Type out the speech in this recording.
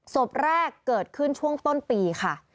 ศพแรกเกิดขึ้นช่วงต้นปีค่ะ